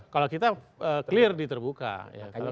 kalau kita clear diterbuka